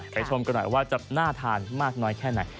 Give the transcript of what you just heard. ชมกันหน่อยว่าจะน่าทานมากน้อยแค่ไหน